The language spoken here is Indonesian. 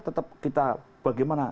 tetap kita bagaimana